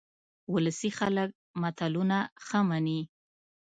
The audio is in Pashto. ولسي خلک متلونه ښه مني